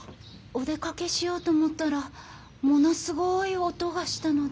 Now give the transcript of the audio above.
お出かけしようと思ったらものすごい音がしたので。